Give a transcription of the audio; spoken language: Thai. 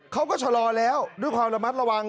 เขาก็ชะลอแล้วด้วยความระมัดระวัง